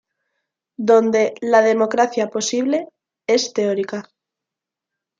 Donde "La democracia posible" es teórica.